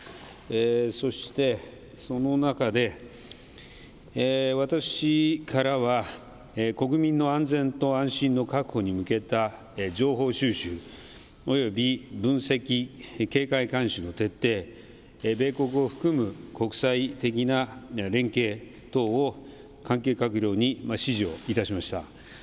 そして、その中で私からは、国民の安全と安心の確保に向けた情報収集および分析・警戒監視の徹底、米国を含む国際的な連携等を関係閣僚に指示をいたしました。